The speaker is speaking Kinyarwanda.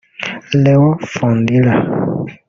Leon Fundira